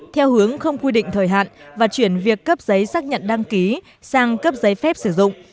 theo hướng không quy định thời hạn và chuyển việc cấp giấy xác nhận đăng ký sang cấp giấy phép sử dụng